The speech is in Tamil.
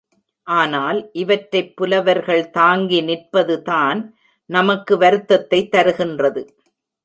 ஆனால் இவற்றைப் புலவர்கள் தாங்கி நிற்பதுதான் நமக்கு வருத்தத்தைத் தருகின்றது.